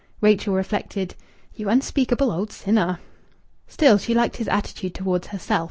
Rachel reflected "You unspeakable old sinner!" Still, she liked his attitude towards herself.